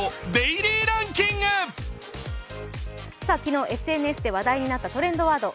昨日、ＳＮＳで話題になったトレンドワード。